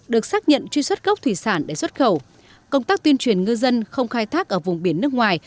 được xác nhận truy xuất gốc thủy sản để xuất khẩu công tác tuyên truyền ngư dân không khai thác ở vùng biển nước ngoài